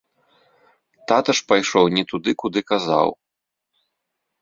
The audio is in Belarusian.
Тата ж пайшоў не туды, куды казаў.